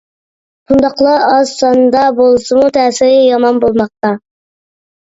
بۇنداقلار ئاز ساندا بولسىمۇ، تەسىرى يامان بولماقتا.